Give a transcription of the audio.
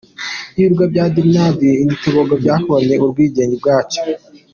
Ibirwa bya Trinidad and Tobago byabonye ubwigenge bwacyo.